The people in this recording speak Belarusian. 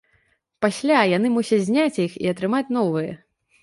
Пасля яны мусяць зняць іх і атрымаць новыя.